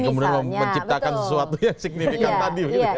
kemudian menciptakan sesuatu yang signifikan tadi